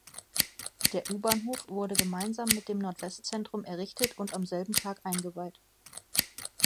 Der U-Bahnhof wurde gemeinsam mit dem Nordwestzentrum errichtet und am selben Tag eingeweiht.